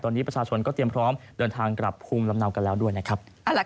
ตอนนี้ประชาชนก็เตรียมพร้อมเดินทางกลับภูมิลำเนากันแล้วด้วยนะครับ